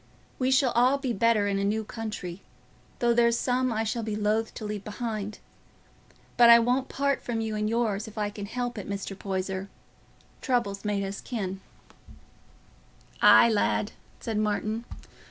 We shall all be better in a new country, though there's some I shall be loath to leave behind. But I won't part from you and yours, if I can help it, Mr. Poyser. Trouble's made us kin." "Aye, lad," said Martin.